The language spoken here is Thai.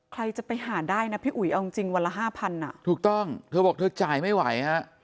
ใครจะไปหาได้นะพี่อุ๋ยเอาจริงจริงวันละห้าพันอ่ะถูกต้องเธอบอกเธอจ่ายไม่ไหวฮะ